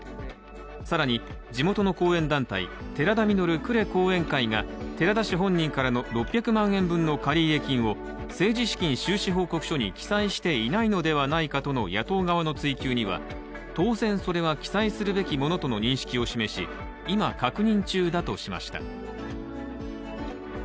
更に地元の後援団体、寺田稔呉後援会が寺田氏本人からの６００万円分の借入金を政治資金収支報告書に記載していないのではないかとの野党側の追及には当然それは記載するべきものとの認識を示し今、確認中だとしました。